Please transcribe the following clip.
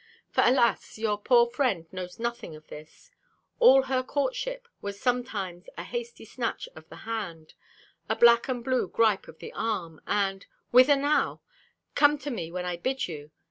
For, alas! your poor friend knows nothing of this. All her courtship was sometimes a hasty snatch of the hand, a black and blue gripe of the arm, and "Whither now?" "Come to me when I bid you!"